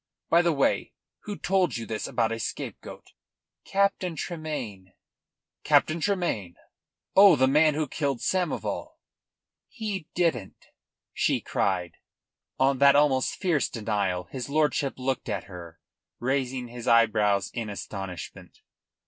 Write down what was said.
By the way, who told you this about a scapegoat?" "Captain Tremayne." "Captain Tremayne? Oh, the man who killed Samoval?" "He didn't," she cried. On that almost fierce denial his lordship looked at her, raising his eyebrows in astonishment.